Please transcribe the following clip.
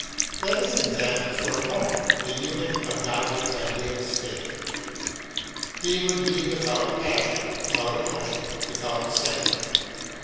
Let us examine for a moment the unit of Godwin's ideal state. He would be without passion, without emotion, without sentiment.